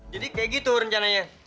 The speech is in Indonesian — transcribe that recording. jadi kayak gitu rencananya